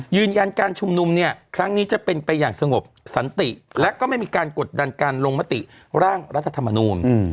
ยืนยันการชุมนุมเนี่ยครั้งนี้จะเป็นไปอย่างสงบสันติและก็ไม่มีการกดดันการลงมติร่างรัฐธรรมนูล